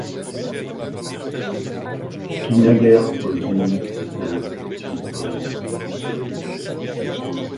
Qui naguère au zénith de l'Institut brillait